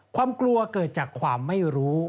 ความกลัวเกิดจากความไม่รู้